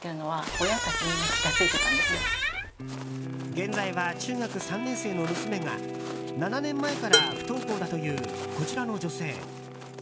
現在は中学３年生の娘が７年前から不登校だというこちらの女性。